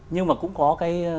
nhưng mà cũng có cái